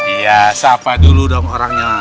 iya sapa dulu dong orangnya